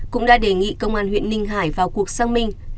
cũng đã đề nghị công an huyện ninh hải vào cuộc xác minh